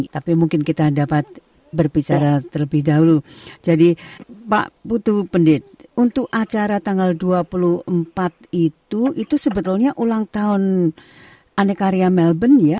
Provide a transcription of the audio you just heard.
tapi mungkin kita dapat berbicara terlebih dahulu jadi pak putu pendidik untuk acara tanggal dua puluh empat itu itu sebetulnya ulang tahun anekaria melbourne ya